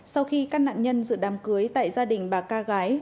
sau khi các nạn nhân dự đám cưới tại gia đình bà ca gái